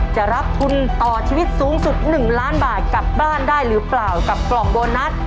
จะรับทุนต่อชีวิตสูงสุด๑ล้านบาทกลับบ้านได้หรือเปล่ากับกล่องโบนัส